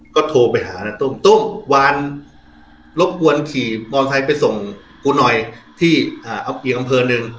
ก็โทรไปหานะตุ้มตุ้มวานรบกวนขี่มอเตอร์ไซค์ไปส่งกูหน่อยที่อัพเกียร์กำเภอนึง